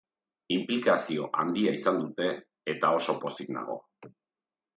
Inplikazio handia izan dute, eta oso pozik nago.